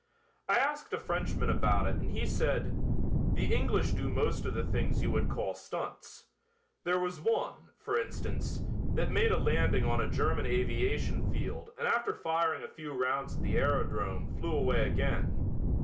I asked a Frenchman about it and he said: "The English do most of the things you would call stunts. There was one, for instance, that made a landing on a German aviation field and after firing a few rounds at the aerodrome flew away again.